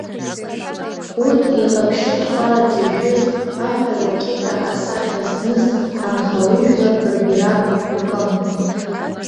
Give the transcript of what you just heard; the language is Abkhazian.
Урҭ иҟаԥшьыхәхәараӡа ишәыз, аҳәа-лакьыта асахьа зныз, анхаҩыжәлар рбираҟ ркын.